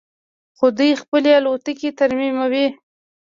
خو دوی خپلې الوتکې ترمیموي.